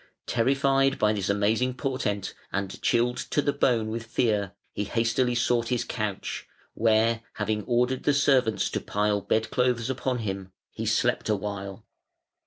Terrified by this amazing portent and chilled to the bone with fear, he hastily sought his couch, where, having ordered the servants to pile bed clothes upon him, he slept awhile.